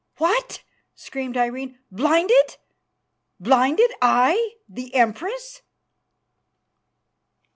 "What!" screamed Irene, "blinded! I blinded! I, the Empress!"